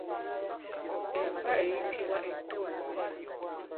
Eba eyitibwa ettuumu.